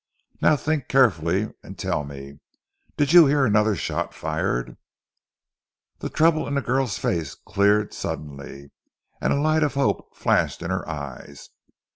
Now think carefully, and tell me, did you hear another shot fired?" The trouble in the girl's face cleared suddenly, and a light of hope flashed in her eyes.